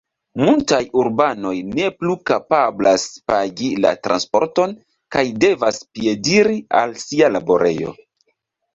Multaj urbanoj ne plu kapablas pagi la transporton kaj devas piediri al sia laborejo.